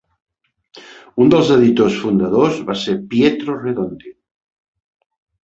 Un dels editors fundadors va ser Pietro Redondi.